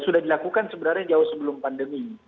sudah dilakukan sebenarnya jauh sebelum pandemi